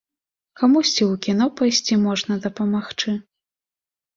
Камусьці і ў кіно пайсці можа дапамагчы.